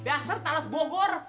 dasar talus bogor